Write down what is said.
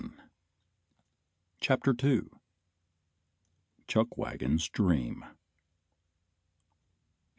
CHAPTER II. CHUCKWAGON'S DREAM.